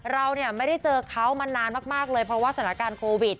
เราไม่ได้เจอเขามานานมากเลยเพราะว่าสถานการณ์โควิด